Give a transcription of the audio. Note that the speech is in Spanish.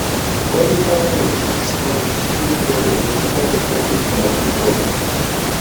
Fue educado en el King's College School, donde destacó en deportes como el fútbol.